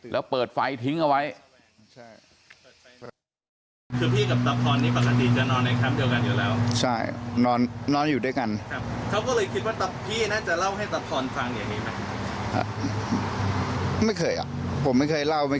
แล้วเปิดไฟทิ้งเอาไว้